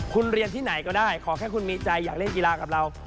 คุณเรียนที่ไหนก็ได้ขอแค่คุณมีใจอยากเล่นกีฬากับเรา